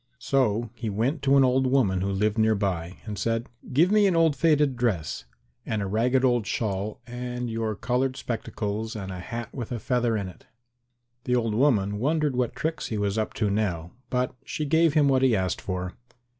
So he went to an old woman who lived near by and said, "Give me an old faded dress and a ragged old shawl and your coloured spectacles and a hat with a feather in it." The old woman wondered what tricks he was up to now, but she gave him what he asked for.